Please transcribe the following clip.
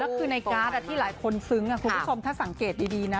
แล้วคือในการ์ดที่หลายคนซึ้งคุณผู้ชมถ้าสังเกตดีนะ